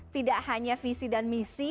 tidak hanya visi dan misi